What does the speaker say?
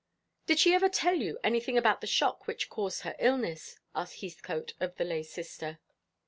"Did she ever tell you anything about the shock which caused her illness?" asked Heathcote of the lay sister.